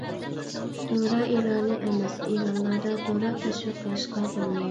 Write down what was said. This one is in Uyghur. دورا ئېلانى ئەمەس ئېلانلاردا دورا تەشۋىق قىلىشقا بولمايدۇ.